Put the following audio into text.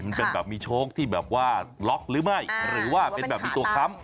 มันเป็นแบบมีโชคที่แบบว่าล็อกหรือไม่หรือว่าเป็นแบบมีตัวค้ำ